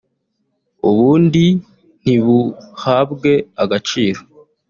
ubundi ntibuhabwe agaciro